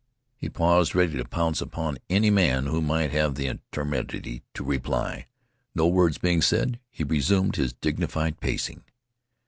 He paused, ready to pounce upon any man who might have the temerity to reply. No words being said, he resumed his dignified pacing.